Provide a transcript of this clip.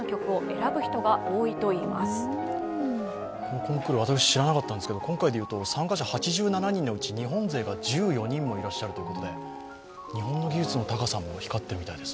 コンクール、私、知らなかったですけど、今回、参加車８７人のうち日本勢が１４人もいらっしゃるということで、日本の技術の高さも光ったみたいです。